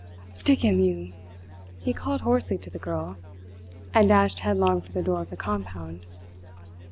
"Stick him, you!" he called hoarsely to the girl, and dashed headlong for the door of the compound.